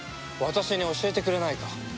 私に教えてくれないか？